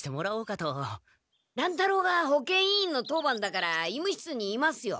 乱太郎が保健委員の当番だから医務室にいますよ。